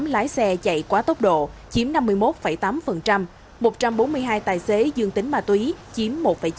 ba tám trăm bảy mươi tám lái xe chạy quá tốc độ chiếm năm mươi một tám một trăm bốn mươi hai tài xế dương tính ma túy chiếm một chín